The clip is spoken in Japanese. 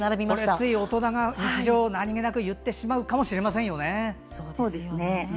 つい大人が日常で何気なく言ってしまうかもしれませんね。